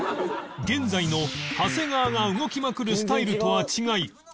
現在の長谷川が動きまくるスタイルとは違い